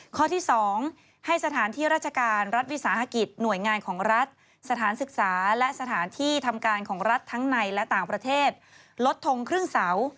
ข้อที่๒ให้สถานที่ราชการรัฐวิสาหกิจหน่วยงานของรัฐสถานศึกษาและสถานที่ทำการของรัฐทั้งในและต่างประเทศลดทงครึ่งเสา